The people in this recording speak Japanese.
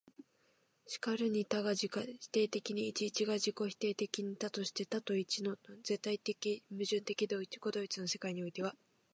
然るに多が自己否定的に一、一が自己否定的に多として、多と一との絶対矛盾的自己同一の世界においては、